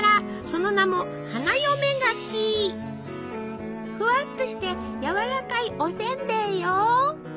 その名もふわっとしてやわらかいおせんべいよ。